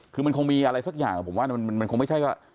คือมันคงมีอะไรสักอย่างผมว่ามันคงไม่ใช่ว่า